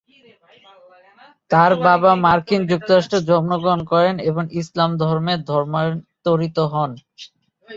তার বাবা মার্কিন যুক্তরাষ্ট্রে জন্মগ্রহণ করেন এবং ইসলাম ধর্মে ধর্মান্তরিত হন।